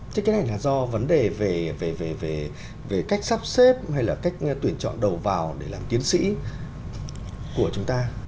thế cái này là do vấn đề về cách sắp xếp hay là cách tuyển chọn đầu vào để làm tiến sĩ của chúng ta